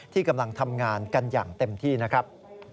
ที่กำลังทำงานกันอย่างเต็มที่นะครับ